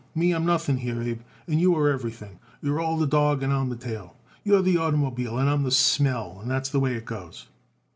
Me, I am nothing here, Abe, and you are everything. You are the dawg and I am the tail. You are the oitermobile and I am the smell, and that's the way it goes."